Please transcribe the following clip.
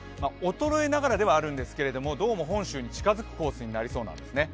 衰えながらではあるんですが、どうも本州に近づくコースになりそうなんですね。